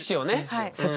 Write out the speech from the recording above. はい。